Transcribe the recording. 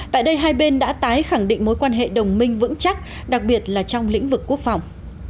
tại đây hai bên đã tái khẳng định mối quan hệ đồng minh vững chắc đặc biệt là trong lĩnh vực quốc phòng